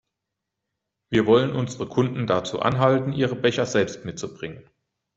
Wir wollen unsere Kunden dazu anhalten, ihre Becher selbst mitzubringen.